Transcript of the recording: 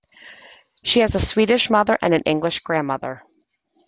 She has a Swedish mother and an English grandmother.